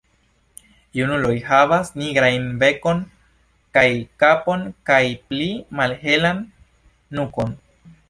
Junuloj havas nigrajn bekon kaj kapon kaj pli malhelan nukon.